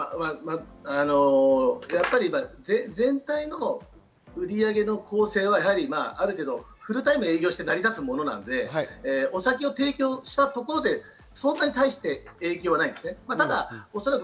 全体の売上の構成はある程度フルタイム営業して成り立つものなので、お酒を提供したところでそんなにたいして影響はないです。